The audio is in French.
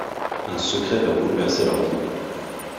Un secret va bouleverser leur vie…